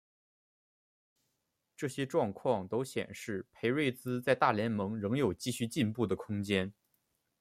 这些状况都显示裴瑞兹在大联盟仍有继续进步的空间。